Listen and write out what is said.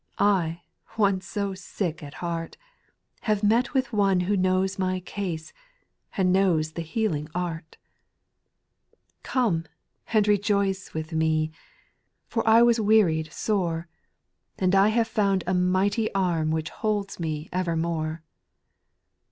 I, once so sick at heart, Have met with One who knoN<i* avy caae^ And knows the hcaViivg wV. SPIRITUAL SONGS, 328 8. Come and rejoice with me I For I was wearied sore, And I have found a mighty arm Which holds me evermore.